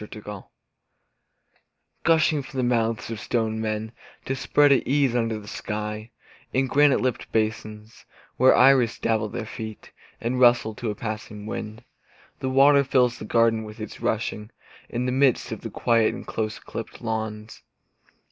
In a Garden Gushing from the mouths of stone men To spread at ease under the sky In granite lipped basins, Where iris dabble their feet And rustle to a passing wind, The water fills the garden with its rushing, In the midst of the quiet of close clipped lawns.